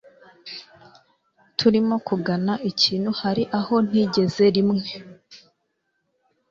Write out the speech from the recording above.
Turimo kugana ikintu Hari aho ntigeze Rimwe